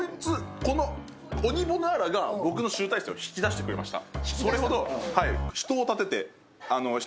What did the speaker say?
この鬼ボナーラが僕の集大成を引き出してくれた。